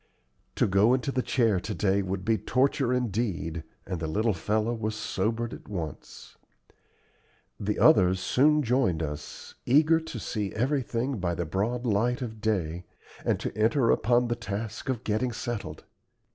To go into the chair to day would be torture indeed, and the little fellow was sobered at once. The others soon joined us, eager to see everything by the broad light of day, and to enter upon the task of getting settled.